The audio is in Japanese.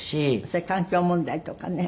それで環境問題とかね。